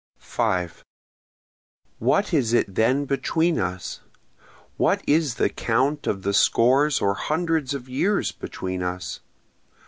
5 What is it then between us? What is the count of the scores or hundreds of years between us?